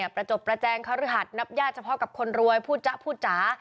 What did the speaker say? ประจบประแจงคฤหัสนับญาติเฉพาะกับคนรวยพูดจ๊ะพูดจ๋า